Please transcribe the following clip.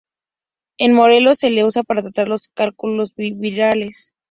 En Morelos se le usa para tratar los cálculos biliares.